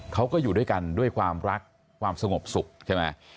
เขาก็อยู่ด้วยกันด้วยความรักความสงบสุขใช่ไหม